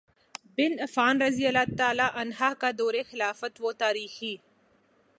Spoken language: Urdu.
بن عفان رضی اللہ عنہ کا دور خلافت وہ تاریخی